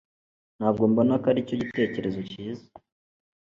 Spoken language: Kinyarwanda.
Ntabwo mbona ko aricyo gitekerezo cyiza